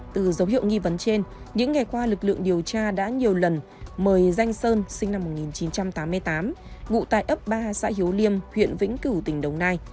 từ dấu hiệu nghi vấn trên những ngày qua lực lượng điều tra đã nhiều lần mời danh sơn sinh năm một nghìn chín trăm tám mươi tám ngụ tại ấp ba xã hiếu liêm huyện vĩnh cửu tỉnh đồng nai